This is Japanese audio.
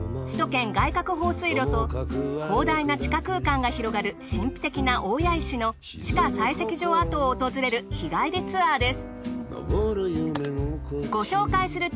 首都圏外郭放水路と広大な地下空間が広がる神秘的な大谷石の地下採石場跡を訪れる日帰りツアーです。